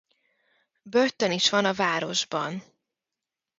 Börtön is van a városban.